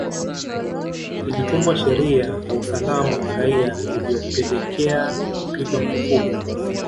Ilitungwa sheria ya usalama wa raia ilyopelekea kupigwa marufuku